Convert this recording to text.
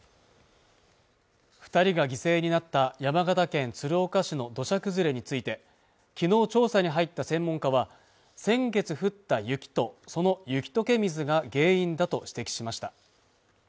二人が犠牲になった山形県鶴岡市の土砂崩れについて昨日調査に入った専門家は先月降った雪とその雪解け水が原因だと指摘しました